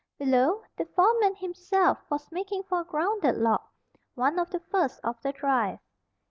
Below, the foreman himself was making for a grounded log, one of the first of the drive.